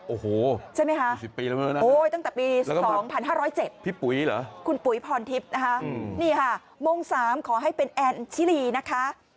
โอ้โฮ๒๐ปีแล้วนะครับแล้วก็พี่ปุ๋ยเหรอคุณปุ๋ยพรทิพย์นะคะโมง๓ขอให้เป็นแอนชิลีนะคะ